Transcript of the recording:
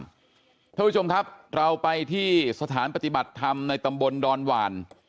คุณผู้ชมครับเราไปที่สถานปฏิบัติธรรมในตำบลดอนหวาน